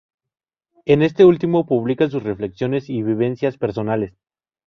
En este último publica sus reflexiones y vivencias personales.